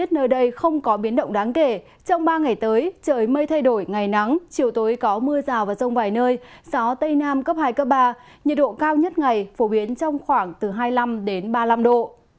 trong ba ngày tới trời mây thay đổi ngày nắng chiều tối có mưa rào và rông vài nơi gió tây nam cấp hai cấp ba nhiệt độ cao nhất ngày phổ biến trong khoảng từ hai mươi năm ba mươi năm độ